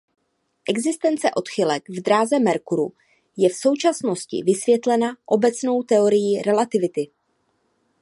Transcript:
Existence odchylek v dráze Merkuru je v současnosti vysvětlena obecnou teorií relativity.